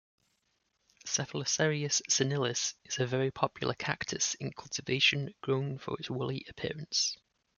"Cephalocereus senilis" is a very popular cactus in cultivation, grown for its woolly appearance.